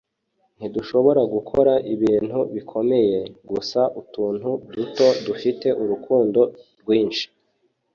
Ntidushobora gukora ibintu bikomeye; gusa utuntu duto dufite urukundo rwinshi. ”